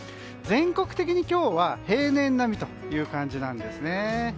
全国的に今日は平年並みという感じなんですね。